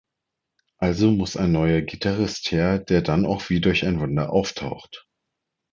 Also muss ein neuer Gitarrist her, der dann auch wie durch ein Wunder auftaucht.